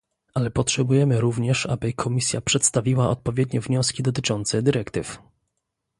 Ale potrzebujemy również, aby Komisja przedstawiła odpowiednie wnioski dotyczące dyrektyw